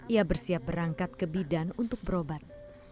ia bersiap berangkat ke bidan untuk berobat